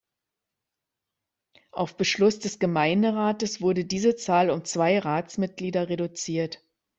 Auf Beschluss des Gemeinderates wurde diese Zahl um zwei Ratsmitglieder reduziert.